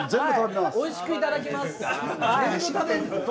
おいしくいただきます。